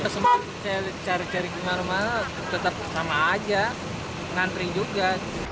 semua saya cari cari kemana mana tetap sama aja ngantri juga